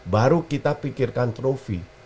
baru kita pikirkan trufi